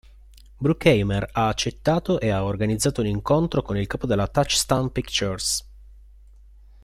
Bruckheimer ha accettato e ha organizzato un incontro con il capo della Touchstone Pictures.